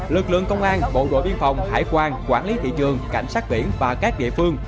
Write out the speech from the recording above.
lực lượng công an bộ đội biên phòng hải quan quản lý thị trường cảnh sát biển và các địa phương